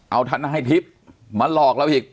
เอาทนายทิพย์มาหลอกเราอีก